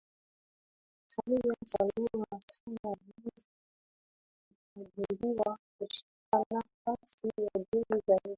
Samia Suluhu Hassan alianza kutabiriwa kushika nafasi ya juu zaidi